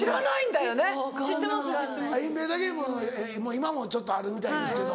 今もちょっとあるみたいですけど。